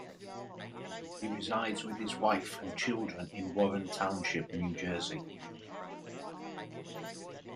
He resides with his wife and children in Warren Township, New Jersey.